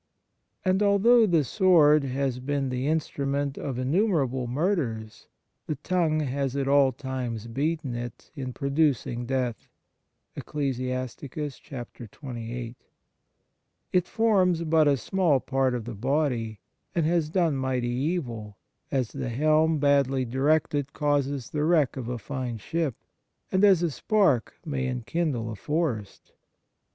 And although the sword has been the instrument of innumerable murders, the tongue has at all times beaten it in pro ducing death" (Ecclus. xxviii.). "It forms but a small part of the body, and has done mighty evil : as the helm badly directed causes the wreck of a fine ship, and as a spark may enkindle a forest.